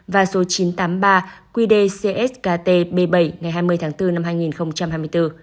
và số chín trăm tám mươi ba qdc skt b bảy ngày hai mươi tháng bốn năm hai nghìn hai mươi bốn